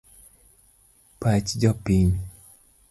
Pach jopiny..